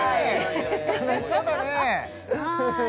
楽しそうだね